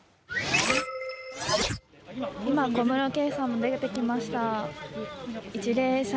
今、小室圭さんが出てきました。